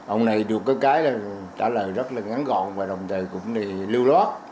ông này được cái là trả lời rất là ngắn gọn và đồng thời cũng lưu lót